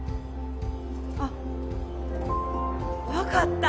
あッ分かった